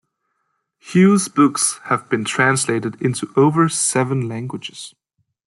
Hughes' books have been translated into over seven languages.